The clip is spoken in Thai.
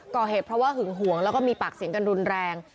ก่อเหตุเพราะว่าหึงหวงแล้วก็มีปากเสียงกันรุนแรง